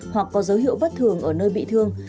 hoặc có dấu hiệu bất thường ở nơi bị thương